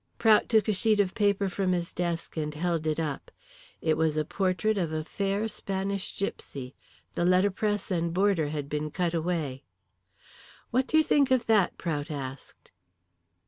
Prout took a sheet of paper from his desk and held it up. It was a portrait of a fair Spanish gipsy. The letterpress and border had been cut away. "What do you think of that?" Prout asked.